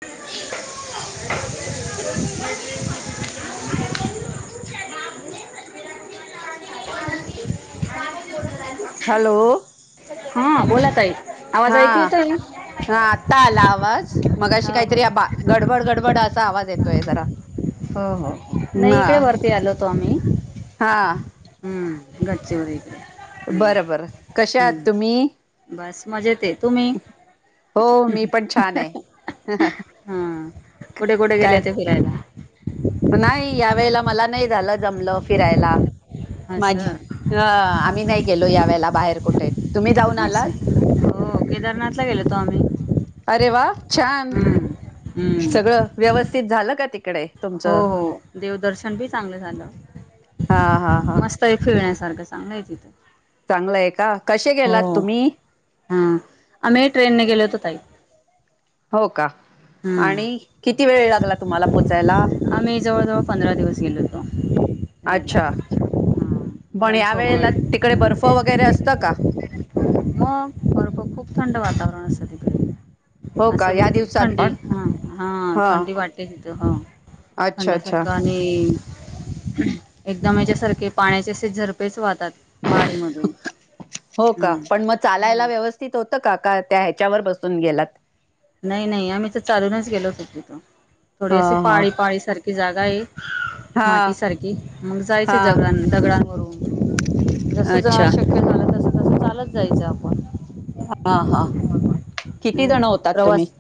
[inaudible] Hello. हा बोला ताई. आवाज हा ऐकू येतोय? हा आता आला आवाज. मगाशी काहीतरी बा गडबड गडबड असा आवाज येतोय जरा. हो हो नाही हा इकडे वरती आलो होतो आम्ही. हा. हम्म गडचिरोली का हम्म बरं बरं कशा आहात तुम्ही हम्म बस मजेत आहे. तुम्ही हो मी पण छान आहे. काय? द्यायला [inaudible] नाही यावेेळेला मला नाही झालं जमलं फिरायला. असं माझी. आम्ही नाही गेलो यावेेळेला बाहेर कुठे तुम्ही जाऊन आलात. हो केदारनाथ ला गेलो होतो आम्ही. अरे वा छान हम्म हम्म सगळं, व्यवस्थित झालं का तिकडे. हो. तुमचं हो देवदर्शन बी चांगलं झालं हा हा हा मस्त. फिरण्यासारखं चांगलंय तिथं चांगलंय आहे का. कसे गेलात हो तुम्ही? हा. आम्ही ट्रेननेे गेले होतो ताई. हो का आणि हम्म किती वेळ लागला तुम्हाला पोहोचायला आम्ही जवळजवळ पंधरा दिवस गेलो होतो अच्छा राहायला. पण या वेळेला तिकडे बर्फ वगैरे असत का? मग बरोखर खूप थंड वातावरण असल तिकडे हो का असं या बिलकुल दिवसात थंडी पण? हा हा थंडी वाटे तिथं ह अच्छा अच्छा आणि एकदम याच्या्यासारखे पाण्याचे असे झरपेच वाहतात. पहाडी मधून हो का हम्म पण मग चालायला हम्म व्यवस्थित होतं का का त्या ह्याच्यावर बसून गेलात. नाही नाही आम्ही तर चालूनच गेलोत तिथून थोडी हा अशी हा पाळी पाळी सारखी जागा आहे एक. माटी हा सारखी मग जायचे हा. दगडान दगडांवरून जस जान अच्छा शक्य झालं तस तस चालत जायचं आपण हा हा किती हम् जण होतात तुम्ही? प्रवास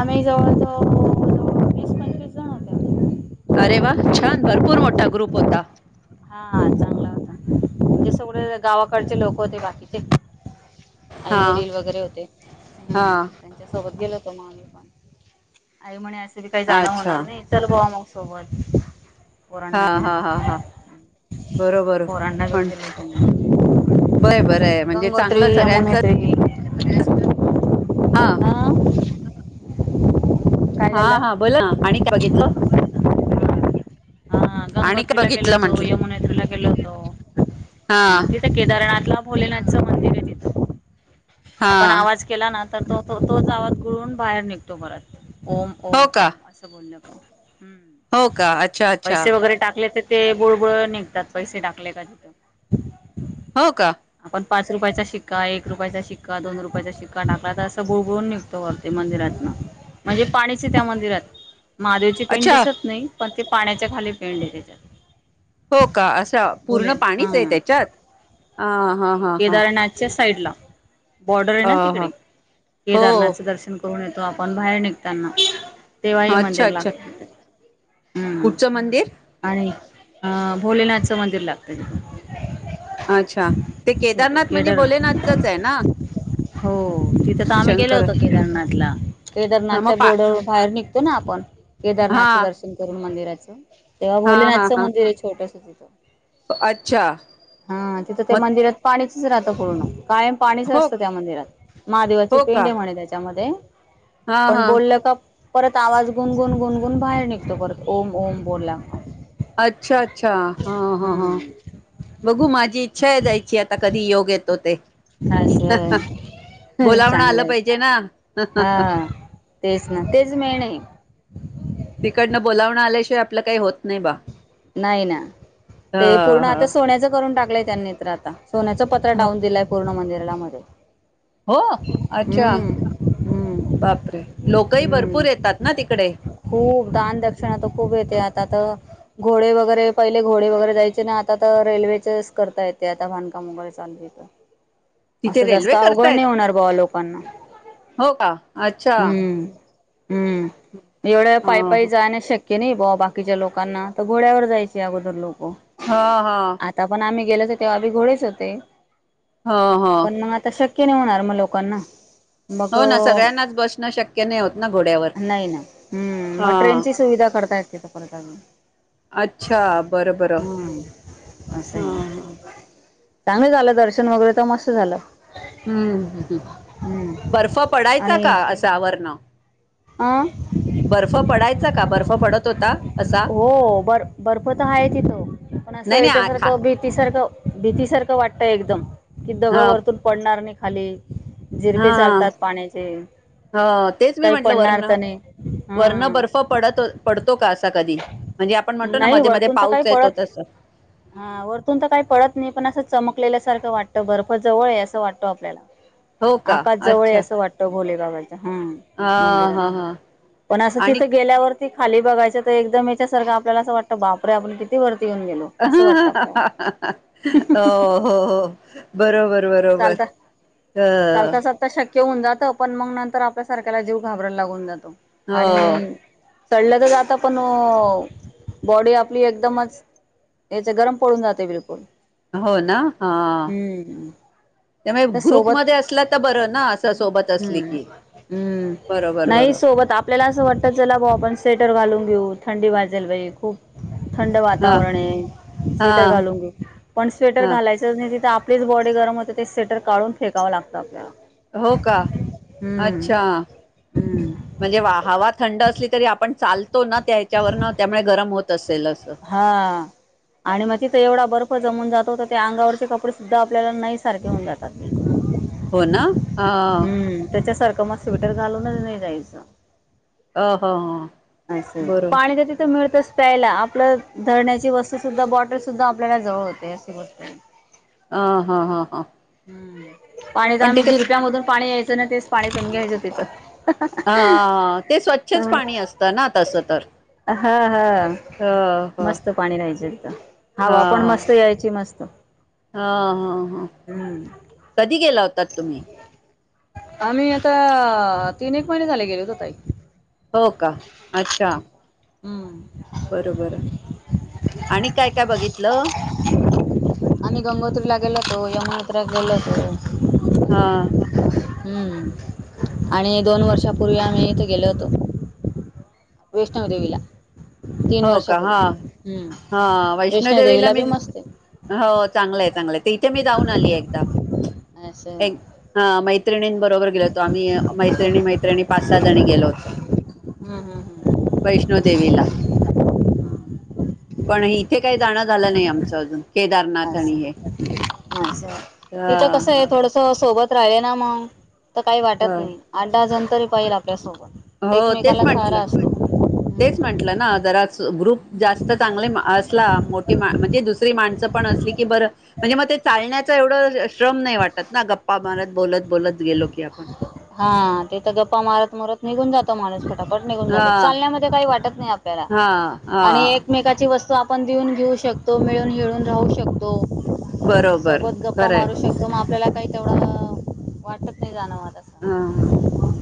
आम्ही जवळ जवळ वीस पंचवीस जण होते आम्ही. अरे वा छान भरपूर मोठा ग्रुप होता. हा चांगला होता म्हणजे सगळे गावाकडचे लोक होते बाकीचे आई हा वडील वगैरे होते हा हम्म त्यांच्यासोबत गेलो होतो म आ्ही पण आई म्हणे असं बी काही जाणं अच्छा होणार नाही चल बवा मग सोबत पोरांना हा घेऊन हा हा हा बरोबर. पोरांना घेऊन पण गेलो होतो बरं बरं मग आहे म्हणजे गंगोत्री चांगलं सगळ्यांच यमुनेत्री हा हा काय हा झालं हा बोला आणि काय बघितलं हा आणि काय गंगोत्रीला गेलो बघितलं होतो म्हंटलं यमुनेत्रीला गेल होतो ह हा तेच केदारनाथला भोलेनाथचं मंदिर आहे तिथं हा आपण आवाज केला ना तर तो तो तोच आवाज गुळून बाहेर निघतो परत ओम ओम हो का ओम अस सबू नक हो का अच्छा अच्छा टाकले तर ते बुळबुळ निघतात पैसे टाकले का तिथं हो का आपण पाच रुपयाचा शिक्का एक रुपयाचा शिक्का दोन रुपयाचा शिक्का टाकका तर असं गोळूनघ तो असते मंदिरात ना म्हणजे पाणी त्या मंदिरात महादेवची पिंड अच्छा दिसत नाही पण ते पाण्याच्या खाली पिंड आहे त्याच्यात हो का असं पूर्ण बोलेल हा पाणीच आहे त्याच्यात हा हा नाही हा हा केदारनाथच्या साईड ला बॉर्डर आहे अ ना ह तिकडे हो केदारनाथचं दर्शन करून येतो आपण बाहेर निघताना तेव्हाही अच्छा मंदिर अच्छा लागतं कुठचं मंदिर आणि अ भोलेनाथचं मंदिर लागत अच्छा ते केदारनाथ म्हणजे केदार भोलेनाथचच आहे ना हो तिथे तर आम्ही गेलो शंकर होतो केदारनाथला हा मग केदारनाथच्या पा बोर्डरवर बाहेर निघतो ना आपण हा केदारनाथचं दर्शन करून मंदिराचं तेव्हा हा हा भोलेनाथचं हा मंदिर आहे छोटस त होथं अच्छा हा तिथं त्या मग मंदिरात पाणीचच राहत पूर्ण कायम पाणीच हो असतं त्या मंदिरात महादेवाची हो का पिंड आहे म्हणे त्याच्यामध्ये हा पण हा बोलल का परत आवाज गुणगुण गुणगुून बाहेर निघतो परत ओम ओम बोलला अच्छा अच्छा हा हा हा हम्म बघू माझ इच्छा जायची आता कधी योग येतो ते असं बोलावणा आलं चांगलंय पाहिजेना. तेचना, तेच मेन आहे. तिकडनं बोलावणं आल्याशिवाय आपलं काही होत नाही बा. नाही ना ते पूर्ण हा आता सोन्याचं करून टाकलंय त्यांनी तर आता. सोन्याचं पत्रा हा टावून दिलंय पूर्ण मंदिरामध्ये. हो अच्छा हम्म बापरे लोकही हम्म भरपूर येतात ना तिकडे? खूप दान दक्षिणा तर खूप येते आता तर घोडे वगैरे पहिले घोडे वगैरे जायचे ना आता तर रेल्वेचेच करता येते आता बाधकाम वगैरे चालय [inaudible] तिथे असं जास्त रेल्वे अवघड करतायत नाही होणार बाव लोकांना हो का अच्छा हम्म. हम्म एवढं पायी, ह पायी जाण शक्य नाही बा बाकीच्या लोकांना. तर घोड्यावर जायचे अगोदर लोक हा, हा. आता पण आम्ही गेलो होतो तेव्हा बी घोडेच होते ह ह पण मग आता शक्य की नाही होणार मग लोकांना मग हो ना सगळ्यांनाच बसणं शक्य नाही होत ना घोड्यावर नाही ना ह मग हा ट्रेनची सुविधा करता येतका? परत आणून अच्छा, बरं, बरं, हम्म असं हा, आहे. हा. चांगलं झालं दर्शन वगैरे तर मस्त झाल. हम्म, बर्फ पडायचा का असा वरण? आं.. बर्फ पडायचा का बर्फ पडत होता? असा हो बर्फ, बर्फ तर आहेच इथ पण असं नाही नाही आ खा याच्यासारखं भीती सारख भीती सारखं वाटतय एकदम कि दगड ह वरतून पडणार नाही खाले झिरपे चालतात पाण्याचे. हा तेच मी काही म्हटलं पडणार वर्ण, तर नाही वर्ण हा बर्फ पडत, पडतो का असा कधी म्हणजे आपण म्हणतो ना नाही मध्ये, मध्ये वरतून तर काही पाऊस येतो पडत तस? हा. वरतून तर काही पळत नाही पण असं चमकलेल्यासारखं वाटतं बर्फ जवळ आहे असं वाटतो आपल्याला हो का आकाश जवळ आहे अच्छा असं वाटतं भोलेबाबाच्या हम्म. हा मंदिरात हा हा पण असं आणि तिथं गेल्यावर खाली बघायच तर एकदम याच्यासारखं आपल्याला असं वाटतं बापर आपण किती वरती येऊन गेलो. ह, असं वाटतं हा, आपल्याला हा, हा, हो, हो. बरोबर, बरोबर चालतं अ चालता चालता शक्य होऊन जात पण मग नंतर आपल्या सारख्याला जीव घाबराला लागून जातो आणि हो चढलं तर जात पण बॉडी आपली एकदमच याच गरम पडून जाते बिलकुल. होना, हा.. त्यामुळे त्या सोबत ग्रुपमध्ये असला तर बरं ना असं सोबत असली हम्म, की हम्म बरोबर नाही बरोबर सोबत आप आपल्याला असं वाटतं चला भाऊ आपण स्वेटर घलून घेऊ, थंडी वाजायला बाये खूप थंड हा वातावरण आहे स्वेटर हा घालून घेऊ पण स्वेटर हा घालायचं तिथे आपलीच बॉडी गरम होते ते स्वेटर काढून फेकाव लागतं आपल्याला. होका, हम्म अच्छा. हम्म म्हणजे वा हवा थंड असली तरी आपण चालतो ना त्याच्यावरन त्यामुळे गरम होत असेल अस. हा.. आणि मग तिथं एवढा बर्फ जमून जातो तर त्या अंगावरचे कपडे सुद्ध आपल्याला नाही सारखे होऊन जातात. होना. हम्म त्याच्यासारखं मग स्वेटर घालूनच नाही जायच. अ, ह, ह. असं बरोबर पाणी तर तिथं मिळतेस. प्यायला आपलं धरण्याची वस्तू सुद्धा बॉटल सुद्धा आपल्याला जवळ होते अशी गोष्ट आहे ह हा ह हा हम्म पाणीच आम्ही जिरप्यामधून पाणी यायचं ना तेच पाणी सण घ्यायचं तिथं हा ते स्वच्छच पाणी असतं ना तसं तर हा हा ह ह मस्त पाणी रा्यायचत हवा पण मस्त यायची मस्त हा हा हा हम्म कधी गेला होता तुम्ही आम्ही आता तीन एक महिने झाले गेलेो होत तई हो का अच्छा हम्म बरोबर आणि काय काय बघितलं आणि गंगोत्रीला गेलो तो यमयात्र्या गेलतो हा हम्म आणि दोन वर्षापूर्वी आम्ही इथे गेलो होतो वैष्णव देवीला तीन हो का वर्षापूर्वी हा हम्म हा वैष्णो वैष्णोदेवीला देेवीला बी मी मस्त हो चांगलं आहे चांगलंय ते इथे मी जाऊन आली आहे एकदा आहे असं एक हा मैत्रिणीं बरोबर गेलो होतो आम्ही मैत्रिणी मैत्रिणी पाच सहा जणी गेलो होतो हम्म हम् हम् वैष्णो देवीला पण इथे काही जाणं झालं नाही आमचं अजून केदारनाथ अच आणि हे अा तिथं कसं ह आहे थोड सोबत राहिले ना मग तर काही वाटत ह नाही आठ दहा जण तरी पाहिल आपल्यासोबत हो तेच एकमेकाला सारा म्हंटलं असतो तेच म्हंटलं ना जरा ग्रुप जास्त चांगले असला मोठी म्हणजेु ण ब म्हण श्रम नाही वाटत ना गप्पा मारत बोलत बोलत गेलो की आपण हा तेथ गप्पा मारत मारत निघून जातो माणसक झट निघून जात हा चालण्यामध्ये काही वाटत नाही आपल्याला हा आणि हा एकमेची वस्तू आपण देऊन घेऊ शकतो मिळून हळून राहू शकतो बरोबर सोबत गप्पा खरंय मारू शकतो मग आपल्याला काही तेवढं वाटत नाही जाणंवता ह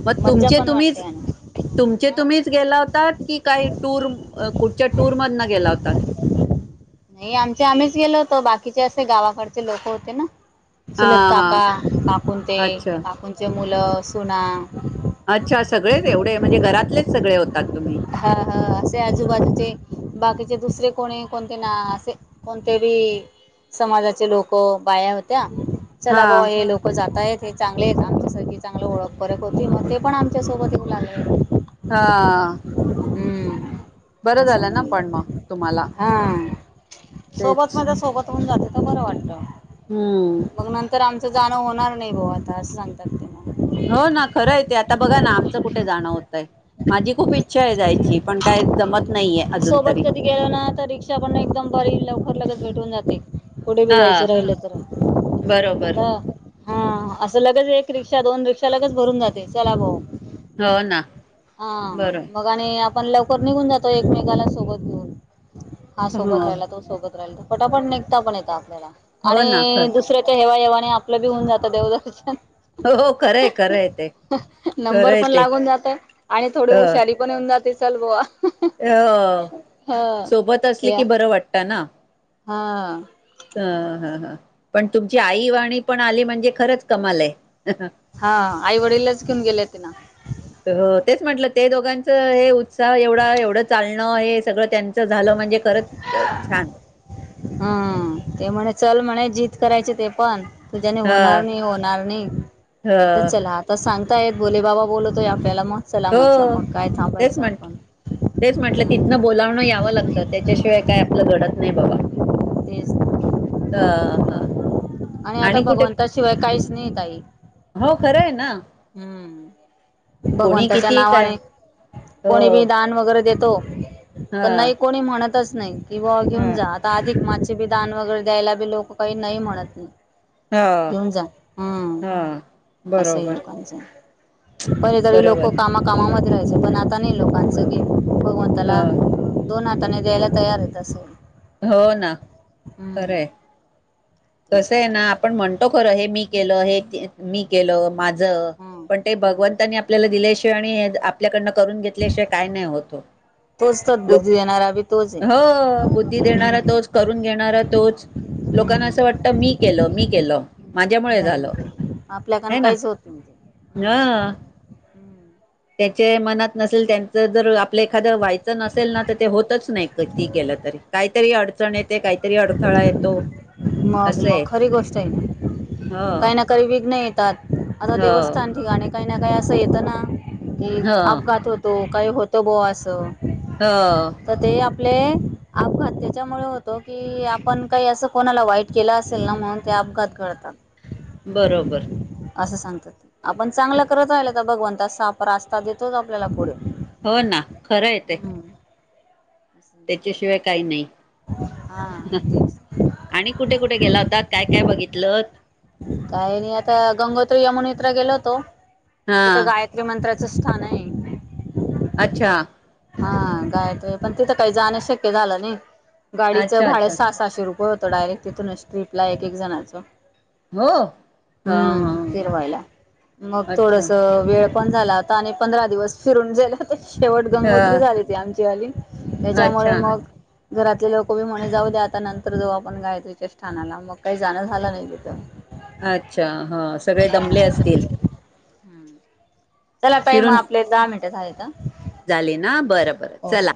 मग तुमचे तुम्हीच आणि तुमचे हं? तुम्हीच गेला होतात की काही टूर कुठच्या टूरमधून गेला होतात नाही आमच्या आम्हीच गेलो होतो बाकीचे असे गावाकडचे लोक होते ना हा सुलत हा काका काकु ते अच्छा काकूंचे मुलं सुना अच्छा सगळेच एवढे म्हणजे घरातलेच सगळे होतात तुम्ही हा हा असे आजूबाजूचे बाकीचे दुसरे कोणी कोणते ना असे कोणत्या बी समाजाचे लोक बाया्या होत्या हा चला बो हे लोकं जात आहेत. ते चांगले आहेत आमच्यासाठी चांगलं ओळख परक होती मग ते पण आमच्यासोबत येऊ लागले. हां. हम्म. असं ना पण मग तुम्हाला हा सोबत तेच म्ह सोबत होन जात तर बरं वाटत हम्म मग नंतर आमचं जाणं होणार नाही भाऊ आता असं सांगतात ते हो ना खरं येते आता बघा ना आमचं कुठे जाणं होतंय माझी खूप इच्छा आहे जायची पण काय जमत नाहीये मग अजून सोबत तरी कधी गेलो ना तर रिक्षा पण एकदम बरी लवकर लगेच भेटून जाते. कुठं बी हा जायचं राहिलं तर बरोबर आता हां असं लगेच एक रिक्षा दोन रिक्षा लगेच भरून जाते चला भाऊ. हो ना हा बरोबर मग आणि आपण लवकर निघून जातो एकमेकाला सोबत घेऊन. हा सोबत हो राहिला तो सोबत राहिला पटापट निघता पण येत आपल्याला. हो ना खरं आणि दुसरे ते हेवाहेवाने आपलं बी होऊन जात देवदर्शन. हो हो खरंय खरंय ते नंबर खरंय पण ते लागून जातो. आणि थोडी अ उ पण येऊन जाते चल बुवा. अ ह सोबत असले या की बर वाटत ना. हा अ हं हं पण तुमची आई वाणी पण आली म्हणजे खरच कमाल आहे. हां आई वडीलच घेऊन गेले होते ना. तेच म्हटल ते दोघांच हे उत्साह एवढा. एवढ चालण हे सगळ त्यां च झाल म्हणजे खरच छान. हम्म ते म्हणे चल म्हणे जिद्द करायचे ते पण. तुझ्याने ह होणार नाही. होणार नाही. ह म्हटल चला आत आता सांगता येत भोलेबाबा बोलवतायेत आपल्याला. मग चला म्हटल हो मग. काय थांबायच तेच म्हंटलं आपण. तेच म्हटल तिथन बोलावण याव लागत. त्याच्याशिवाय काय आपल घडत नाही बाबा. तेच हं हं आणि आता भगवंताशिवाय काहीच नाही ताई. हो खरं आहे ना. हम्म कोणी भगवंताच्या किती काय नावाने कोणी हो बी दान वगैरे देतो हा तर नाही कोणी म्हणतच नाही. की बाबा हा घेऊन जा अधिक मास तेबी दान वगैरे द्यायला बी लोक काय नाही म्हणत नाहीत. हा घेऊन जा हम्म हा अस आहे बरोबर लोकांच. पहिले तरी लोक बरोबर कामा कामामध्ये राहायचे. पण आता नाही लोकांच घेण ह भगवंतला दोन हाताने द्यायला तयार आहेत अस. हो ना खर आहे. तीच कस आहे गोष्ट ना आपण म्हण तो खर हे मी केल. हे की मी केल. माझं हम्म पण ते हम्म भगवंतांनी आपल्याला दिल्याशिवाय आणि ह्या आपल्याकडनं करून घेत ल्याशिवाय काय नाही होत हो. तोच लोक सद्बुद्धी देणारा बी तोच आहे. हो बुध बुद्धी देणारा हम्म. तोच. करून घेणार तोच. लोकांना हम्म अस वाटत मी केल. मी केल. माझ्यामुळे नाही झाल. ना आपल्याकन हे ना. काहीच होत नाही ते. हम्म त्याच्या मनात नसेल त्यांच जर आपल एखाद व्हायच नसेल ना तर ते होतच नाही किती केलं तरी. काहीतरी अडचण येते. काहीतरी अडथळा येतो. मग असं मग येत खरी गोष्ट आहे ना. हो काही ना काही विघ्न येतात. आता हो देवस्थान ठिकाणी काही ना काही अस येत ना की, ह अपघात होतो. काही होत बुवा अस. हो तर ते आपले अपघात त्याच्यामुळे होतो की, आपण काही अस कोणा वाईट केल असेल ना म्हणून ते अपघात घडतात. बरोबर असं सांगतात. आपण चांगल करत राहिल तर भगवंत साफ रास्ता देतोच आपल्याला पुढ. हो ना खर आहे ते. त्याच्याशिवाय काही नाही. हा तेच आणि कुठे कुठे गेला होतात. काय काय बघितल? काय नाही आता गंगोत्री यमुनोत्रीला गेलो होतो. हा तिथ गायत्री मंत्राच स्थान आहे. अच्छा हा गायत्री. पण तिथ काही जाण शक्य झाल नाही. गाडीच अच्छा भाड अच्छा सहा सहाशे रुपये होत डायरेक्ट तिथूनच ट्रीपला एक एक जणाच हो हा हा हम्म ह फिरवायला मग अच्छा थोडस वेळ पण झाला होता. आणि पंधरा दिवस फिरून झाले होते. शेवट ह गंगोत्री झाले होती आमचीवाली. त्याच्यामुळे अच्छा मग घरातले लोक बी म्हणे जाऊ द्या, आता नंतर जाऊ आपण गायत्रीच्या स् ठाणाला मग काही जाणं झालं नाही तिथं. अच्छा हं सगळे दमले हा असतील? चला ताई म आपले दहा मिनटं झालेत हं. झाली ना बरं बरं चला.